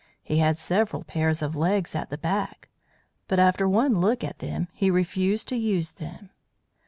He had several pairs of legs at the back, but after one look at them he refused to use them.